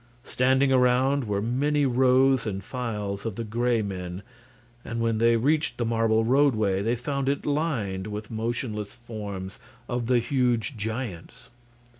Standing around were many rows and files of the Gray Men, and when they reached the marble roadway they found it lined with motionless forms of the huge giants.